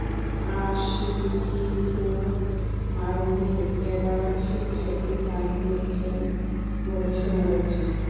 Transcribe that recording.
আশিকি টুর আরোহী এবার সত্যি সত্যি গান গেয়েছেন বলে শোনা যাচ্ছে।